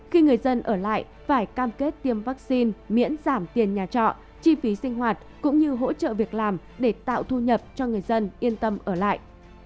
khi người dân ở lại phải cam kết tiêm vaccine miễn giảm tiền nhà trọ chi phí sinh hoạt cũng như hỗ trợ việc làm để tạo thu nhập cho người dân yên tâm ở lại